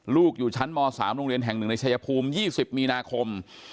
อยู่ชั้นม๓โรงเรียนแห่งหนึ่งในชายภูมิ๒๐มีนาคม